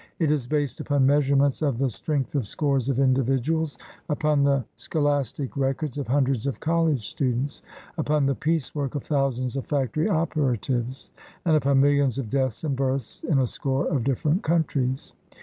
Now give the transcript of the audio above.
It is based upon measurements of the strength of scores of individuals, upon the scholas tic records of hundreds of college students, upon the piecework of thousands of factory operatives, and upon millions of deaths and births in a score of different countries.